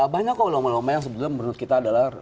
banyak ulama ulama yang sebenarnya menurut kita adalah